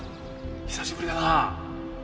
久しぶりだな！